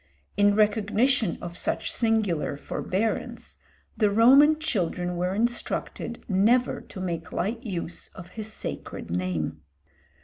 In recognition of such singular forbearance, the Roman children were instructed never to make light use of his sacred name.